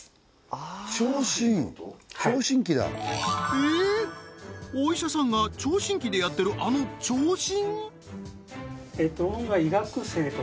えっお医者さんが聴診器でやってるあの聴診？